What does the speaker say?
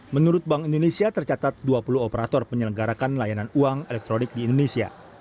menurut bank indonesia tercatat dua puluh operator penyelenggarakan layanan uang elektronik di indonesia